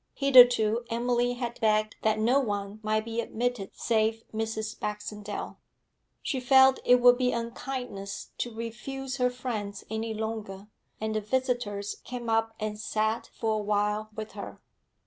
Hitherto Emily had begged that no one might be admitted save Mrs. Baxendale; she felt it would be unkindness to refuse her friends any longer, and the visitors came up and sat for a while with her.